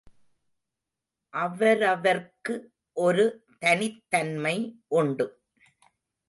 அவரவர்க்கு ஒரு தனித்தன்மை உண்டு.